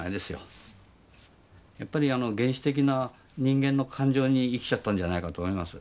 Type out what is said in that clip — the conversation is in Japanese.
やっぱり原始的な人間の感情に生きちゃったんじゃないかと思います。